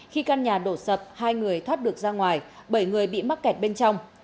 khi căn nhà đổ sập hai người thoát được ra ngoài bảy người bị mắc kẹt bên trong